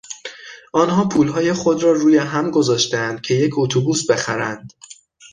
آنها پولهای خود را رویهم گذاشتهاند که یک اتوبوس بخرند.